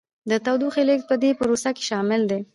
د تودوخې لیږد په دې پروسه کې شامل دی.